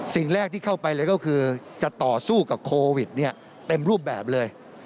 สิ่งแรกที่เข้าไปเลยก็คือจะต่อสู้กับโควิดเนี่ยเต็มรูปแบบเลย